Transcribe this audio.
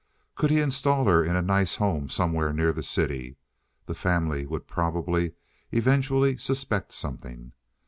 Could he install her in a nice home somewhere near the city? The family would probably eventually suspect something.